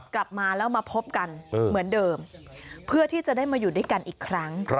กลับมาแล้วมาพบกันเหมือนเดิมเพื่อที่จะได้มาอยู่ด้วยกันอีกครั้ง